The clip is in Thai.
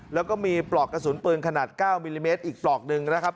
แล้วก็มีปลอกกระสุนปืนขนาด๙มิลลิเมตรอีกปลอกหนึ่งนะครับ